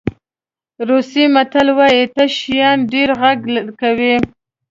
روسي متل وایي تش شیان ډېر غږ کوي.